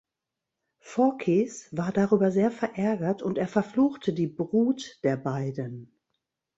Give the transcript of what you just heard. Phorkys war darüber sehr verärgert und er verfluchte die „Brut“ der beiden.